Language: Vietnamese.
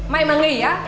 mày mà nghỉ á